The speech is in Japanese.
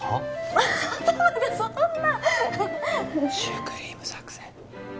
またまたそんなシュークリーム作戦